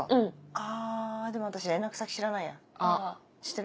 あぁでも私連絡先知らないや知ってる？